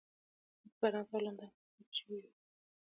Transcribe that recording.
موږ په فرانسه او لندن کې هم پاتې شوي یو